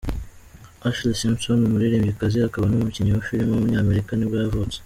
Ashlee Simpson, umuririmbyikazi akaba n’umukinnyikazi wa film w’umunyamerika nibwo yavutse.